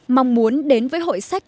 mong muốn đến với hội sách